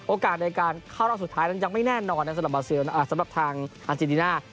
ในการเข้ารอบสุดท้ายนั้นยังไม่แน่นอนสำหรับทางอาเจดีน่า